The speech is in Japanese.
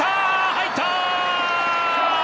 入った！